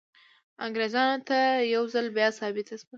انګریزانو ته یو ځل بیا ثابته شوه.